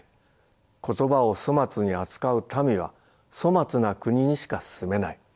言葉を粗末に扱う民は粗末な国にしか住めない。